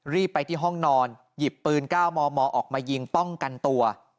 รีบไปที่ห้องนอนหยิบปืน๙มมออกมายิงป้องกันตัว